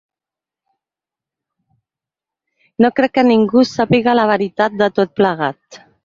No crec que ningú sàpiga la veritat de tot plegat.